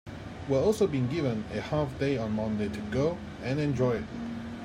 We're also being given a half day on Monday to go and enjoy it.